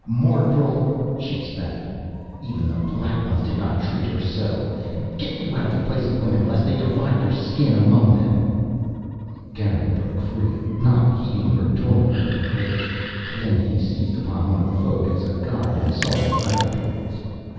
Morgel!" she spat. "Even the Black Ones did not treat her so. Get you out of the Place of Women lest they divide your skin among them!" Garin broke free, not heeding her torrent of reproach. Then he seized upon one of the Folk as a guide and sought the laboratories.